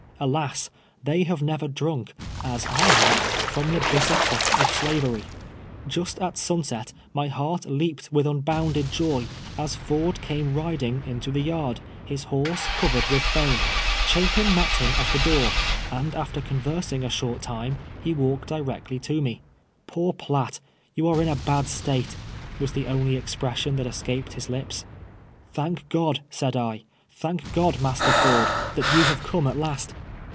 Alas ! they have never drank, as I have, from the bitter cup of slavery. Just at sunset my heart leaped with un bomided joy, as Ford came riding into the yard, his horse covered with f )am. Cliapin met Iiim at the door, and after conversing a short tinie, he walked directly to me. " Poor Piatt, you are in a bad state," was the only expression tliat escaped his lips. " Tliank God !" said I, " thank God, Master Ford, that you have come at last."